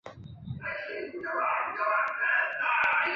因为这样容易让人们倾向忘记后续对印第安人的杀戮历史。